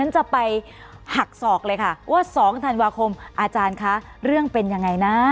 จะไปหักศอกเลยค่ะว่า๒ธันวาคมอาจารย์คะเรื่องเป็นยังไงนะ